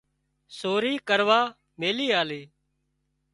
سوري ڪروا ميلي آلي